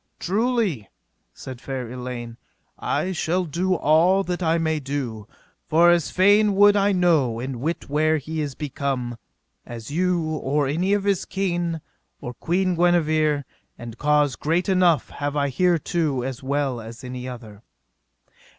Truly, said fair Elaine, I shall do all that I may do, for as fain would I know and wit where he is become, as you, or any of his kin, or Queen Guenever; and cause great enough have I thereto as well as any other.